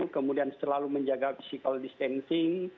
kemudian selalu menjaga physical distancing